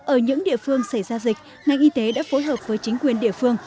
ở những địa phương xảy ra dịch ngành y tế đã phối hợp với chính quyền địa phương